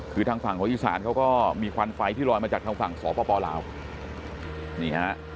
คือทางฝั่งของอีสานเขาก็มีควันไฟที่ลอยมาจากทางฝั่งสปลาวนี่ฮะ